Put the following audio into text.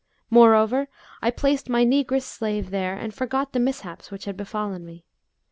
Moreover, I placed my negress slave there and forgot the mishaps which had befallen me.